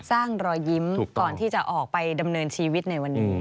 รอยยิ้มก่อนที่จะออกไปดำเนินชีวิตในวันนี้